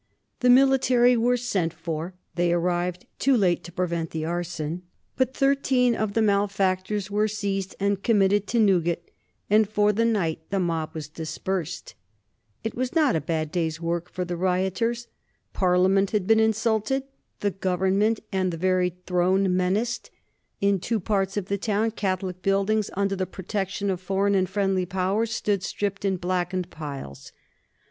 The military were sent for; they arrived too late to prevent the arson, but thirteen of the malefactors were seized and committed to Newgate, and for the night the mob was dispersed. It was not a bad day's work for the rioters. Parliament had been insulted, the Government and the very Throne menaced. In two parts of the town Catholic buildings, under the protection of foreign and friendly Powers, stood stripped and blackened piles.